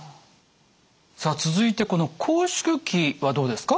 さあ続いてこの拘縮期はどうですか？